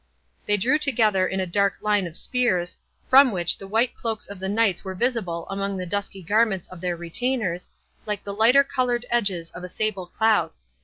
They drew together in a dark line of spears, from which the white cloaks of the knights were visible among the dusky garments of their retainers, like the lighter coloured edges of a sable cloud.